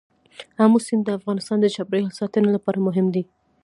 آمو سیند د افغانستان د چاپیریال ساتنې لپاره مهم دي.